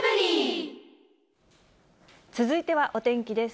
続いてはお天気です。